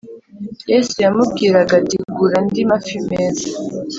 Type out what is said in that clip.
Yesu yamubwiraga ati gura andi mafi meza